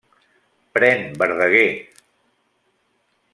Pren, Verdaguer!